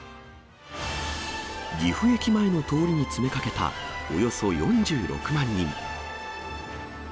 岐阜駅前の通りに詰めかけた、およそ４６万人。